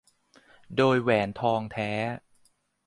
โดยแหวนทองแท้